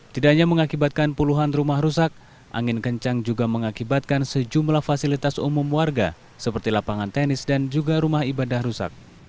tidak hanya mengakibatkan puluhan rumah rusak angin kencang juga mengakibatkan sejumlah fasilitas umum warga seperti lapangan tenis dan juga rumah ibadah rusak